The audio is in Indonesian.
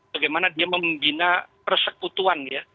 bagaimana dia membina persekutuan ya